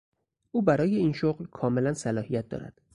او برای این شغل کاملا صلاحیت دارد.